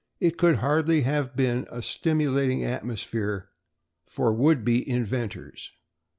It could hardly have been a stimulating atmosphere for would be inventors.